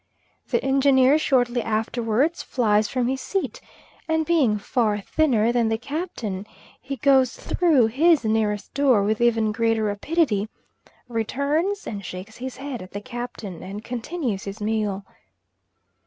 The Engineer shortly afterwards flies from his seat, and being far thinner than the Captain, goes through his nearest door with even greater rapidity; returns, and shakes his head at the Captain, and continues his meal.